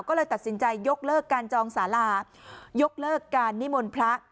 ก็เลยตัดสินใจยกเลิกการจองศาลายกเลิกการนิมนต์พระ